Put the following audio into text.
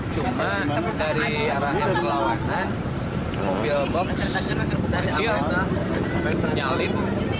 cuma dari arah yang berlawanan mobil box siap menyalip